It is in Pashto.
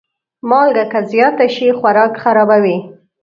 مالګه که زیاته شي، خوراک خرابوي.